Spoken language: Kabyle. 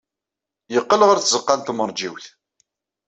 Yeqqel ɣer tzeɣɣa n tmeṛjiwt.